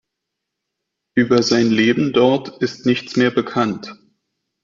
Über sein Leben dort ist nichts mehr bekannt.